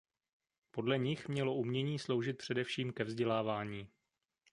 Podle nich mělo umění sloužit především ke vzdělávání.